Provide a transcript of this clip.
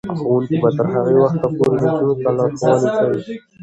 ښوونکې به تر هغه وخته پورې نجونو ته لارښوونې کوي.